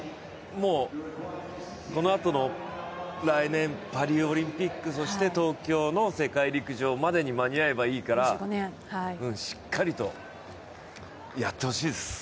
もうこのあとの来年パリオリンピック、そして東京の世界陸上までに間に合えばいいからしっかりと、やってほしいですね。